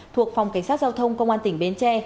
thuộc phòng cảnh sát giao thông công an tỉnh bến tre